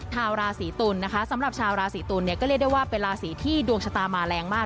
ชาวราศีตุลนะคะสำหรับชาวราศีตุลเนี่ยก็เรียกได้ว่าเป็นราศีที่ดวงชะตามาแรงมาก